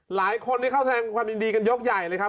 หลายคนที่เข้าแสดงความยินดีกันยกใหญ่เลยครับ